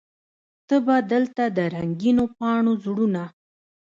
ته به دلته د رنګینو پاڼو زړونه